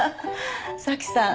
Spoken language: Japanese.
早紀さん